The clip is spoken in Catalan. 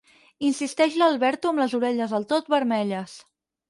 Insisteix l'Alberto amb les orelles del tot vermelles.